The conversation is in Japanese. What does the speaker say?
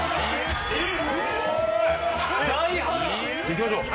じゃいきましょう。